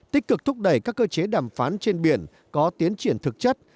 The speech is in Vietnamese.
tích cực thúc đẩy các cơ chế đàm phán trên biển có tiến triển thực chất